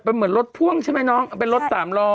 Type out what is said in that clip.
เป็นเหมือนรถพ่วงใช่ไหมน้องเป็นรถสามล้อ